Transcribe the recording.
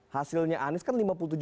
hasilnya anies kan